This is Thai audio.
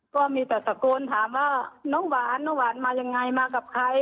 ก็มีแต่ตะโกนถามว่าน้องหวานน้องหวานมายังไงมากับใคร